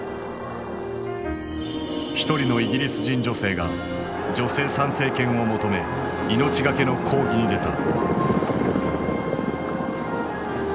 一人のイギリス人女性が女性参政権を求め命がけの抗議に出た。